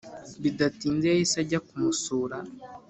bidatinze yahise ajya kumusura